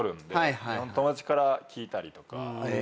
日本の友達から聞いたりとか。